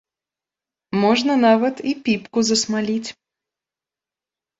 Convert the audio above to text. Можна нават і піпку засмаліць.